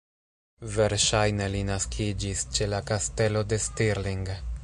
Verŝajne li naskiĝis ĉe la Kastelo de Stirling.